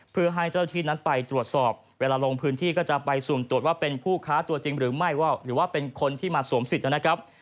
เพื่อให้เจ้าที่นั้นไปตรวจสอบเวลาลงพื้นที่ก็จะไปสุ่มตรวจว่าเป็นผู้ค้าตัวจริงหรือไม่ว่าหรือว่าเป็นคนที่มาสวมสิทธิ์นะครับ